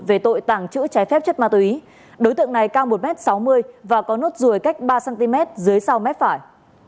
về tội tàng trữ trái phép chất ma túy đối tượng này cao một m sáu mươi và có nốt ruồi cách ba cm dưới sau mép phải